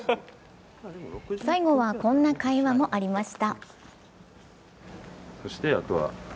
最後はこんな会話もありました。